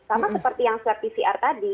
sama seperti yang swab pcr tadi